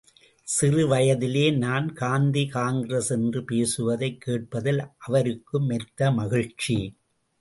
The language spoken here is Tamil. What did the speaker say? சிறு வயதிலே நான் காந்தி காங்கிரஸ் என்று பேசுவதைக் கேட்பதில் அவருக்கு மெத்தமகிழ்ச்சி.